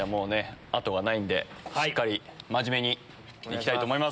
後がないんでしっかり真面目に行きたいと思います。